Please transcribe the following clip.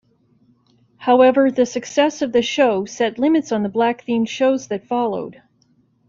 However, the success of the show set limits on the black-themed shows that followed.